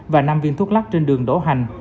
và năm viên thuốc lắc trên đường đổ hành